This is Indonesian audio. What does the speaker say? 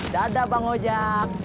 dadah bang ojek